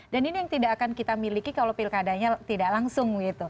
dan ini yang tidak akan kita miliki kalau pilkadanya tidak langsung